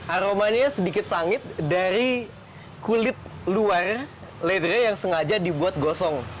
aromanya sedikit sangit dari kulit luar ledre yang sengaja dibuat gosong